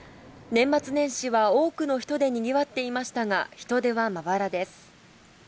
年末年始は多くの人でにぎわっていましたが、人出はまばらです。